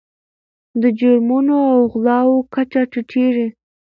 د جرمونو او غلاو کچه ټیټیږي.